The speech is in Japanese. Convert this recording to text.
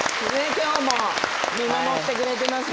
今日も見守ってくれていますよ。